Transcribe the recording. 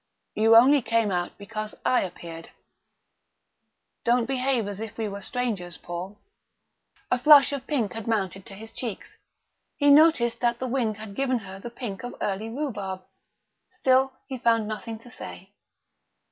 You only came out because I appeared; don't behave as if we were strangers, Paul." A flush of pink had mounted to his cheeks. He noticed that the wind had given her the pink of early rhubarb. Still he found nothing to say.